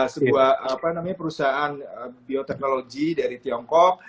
sebuah apa namanya perusahaan bioteknologi dari tiongkok